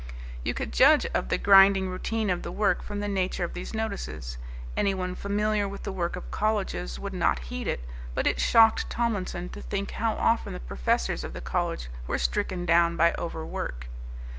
You could judge of the grinding routine of the work from the nature of these notices. Anyone familiar with the work of colleges would not heed it, but it shocked Tomlinson to think how often the professors of the college were stricken down by overwork.